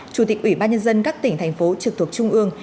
chủ tịch ủy ban nhân dân các tỉnh thành phố trực thuộc trung ương